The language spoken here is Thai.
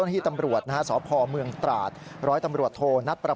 เหตุการณ์นี้เกิดขึ้นนะครับ